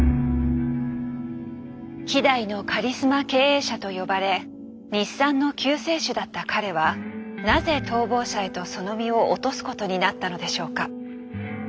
希代のカリスマ経営者と呼ばれ日産の救世主だった彼はなぜ逃亡者へとその身を落とすことになったのでしょうか？